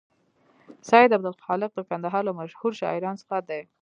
سید عبدالخالق د کندهار له مشهور شاعرانو څخه دی.